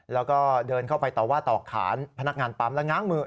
แล้วก็เดินเข้าไปต่อว่าต่อขานพนักงานปั๊มและง้างมือ